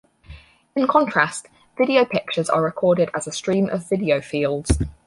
In contrast, video pictures are recorded as a stream of video fields.